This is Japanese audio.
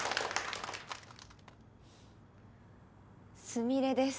すみれです。